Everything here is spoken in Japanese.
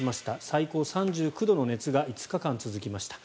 最高、３９度の熱が５日間続きました。